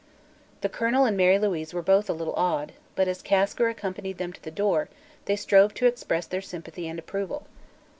The colonel and Mary Louise were both a little awed, but as Kasker accompanied them to the door, they strove to express their sympathy and approval.